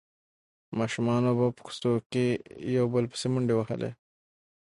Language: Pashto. ماشومانو به په کوڅه کې یو بل پسې منډې وهلې.